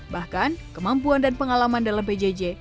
bahkan kemampuan dan pengalaman dalam pjj